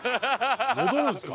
戻るんですか？